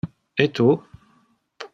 E tu?